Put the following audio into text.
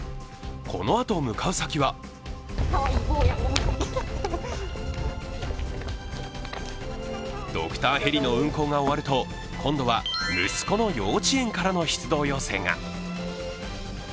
このあと向かう先はドクターヘリの運行が終わると、今度は息子の幼稚園からの出動要請が。